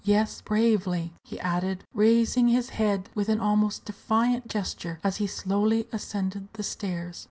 Yes, bravely," he added, raising his head with an almost defiant gesture as he slowly ascended the stairs.